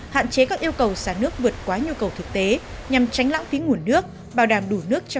hạn chế các yêu cầu xả nước vượt quá nhu cầu thực tế nhằm tránh lãng phí nguồn nước bảo đảm đủ nước